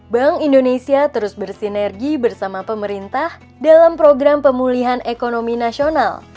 bank indonesia terus bersinergi bersama pemerintah dalam program pemulihan ekonomi nasional